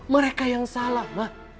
mereka yang salah ma